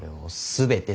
全て？